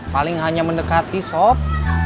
paling hanya mendekati sob